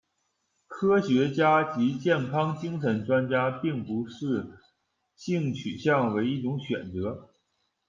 科学家及精神健康专家并不视性取向为一种选择。